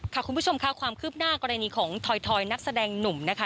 คุณผู้ชมค่ะความคืบหน้ากรณีของถอยนักแสดงหนุ่มนะคะ